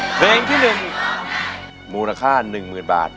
เพลงที่๑มูลค่า๑๐๐๐บาท